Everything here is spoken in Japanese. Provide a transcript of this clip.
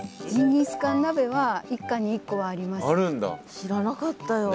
知らなかったよ。